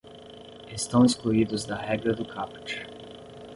Estão excluídos da regra do caput